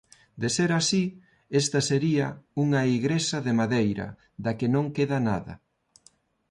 De ser así esta sería unha igrexa de madeira da que non queda nada.